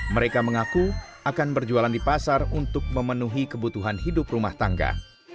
mereka mengaku akan berjualan di pasar untuk memenuhi kebutuhan hidup rumah tangga